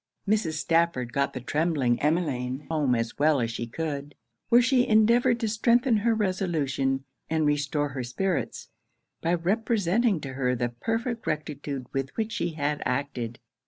Mrs. Stafford got the trembling Emmeline home as well as she could; where she endeavoured to strengthen her resolution and restore her spirits, by representing to her the perfect rectitude with which she had acted.